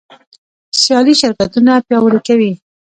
سیالي شرکتونه پیاوړي کوي.